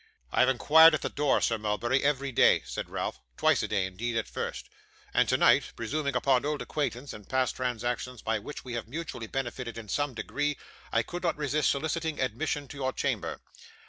'I have inquired at the door, Sir Mulberry, every day,' said Ralph, 'twice a day, indeed, at first and tonight, presuming upon old acquaintance, and past transactions by which we have mutually benefited in some degree, I could not resist soliciting admission to your chamber.